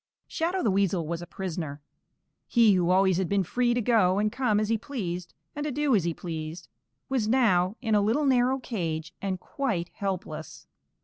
_ Shadow the Weasel was a prisoner. He who always had been free to go and come as he pleased and to do as he pleased was now in a little narrow cage and quite helpless.